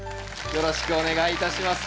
よろしくお願いします。